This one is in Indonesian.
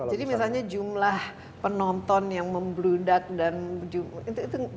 jadi misalnya jumlah penonton yang membludak dan itu tidak